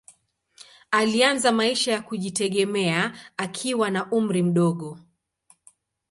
Alianza maisha ya kujitegemea akiwa na umri mdogo.